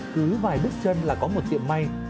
cứ vài bức chân là có một tiệm may